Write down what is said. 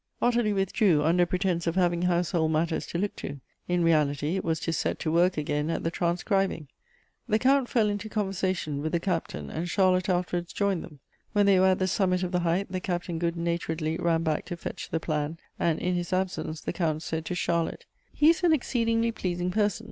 Ottilie withdrew, under pretence of having household matters to look to ; in reality, it was to set to work again at the transcribing. The Count fell into con versation with the Captain, and Charlotte afterwards joined them. When they were at the summit of the height, the Captain good naturedly ran back to fetch the plan, and in his absence the Count said to Charlotte, " He is an exceedingly pleasing person.